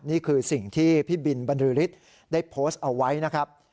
นี่คือสิ่งที่พี่บินบรรลือฤทธิ์ได้โพสต์เอาไว้นะครับ